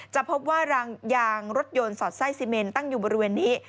จะพบว่ารางยางรถยนต์สอดไส้ซีเมนตั้งอยู่บริเวณนี้